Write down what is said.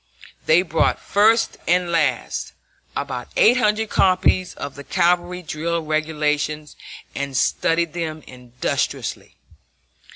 They bought, first and last, about 800 copies of the cavalry drill regulations and studied them industriously.